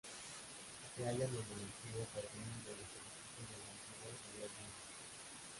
Se hallan en el antiguo jardín de los edificios del antiguo Gobierno Militar.